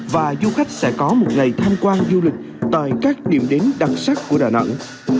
và du khách sẽ có một ngày tham quan du lịch tại các điểm đến đặc sắc của đà nẵng